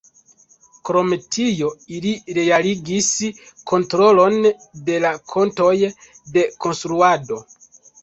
Krom tio ili realigis kontrolon de la kontoj de konstruado.